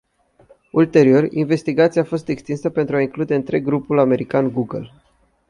Ulterior, investigația a fost extinsă pentru a include întreg grupul american Google.